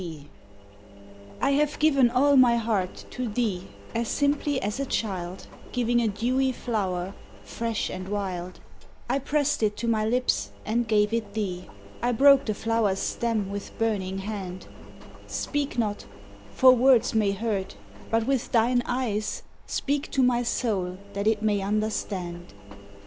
VIII I have given all my heart to thee As simply as a child Giving a dewy flower, fresh and wild; I pressed it to my lips and gave it thee I broke the flower's stem with burning hand; Speak not, for words may hurt; but with thine eyes Speak to my soul that it may understand.